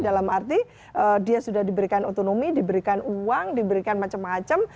dalam arti dia sudah diberikan otonomi diberikan uang diberikan macam macam